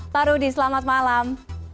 pak rudy selamat malam